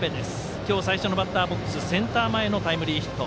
今日最初のバッターボックスセンター前のタイムリーヒット。